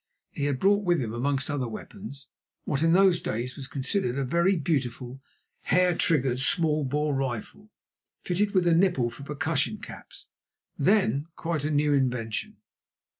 He had brought with him, amongst other weapons, what in those days was considered a very beautiful hair triggered small bore rifle fitted with a nipple for percussion caps, then quite a new invention.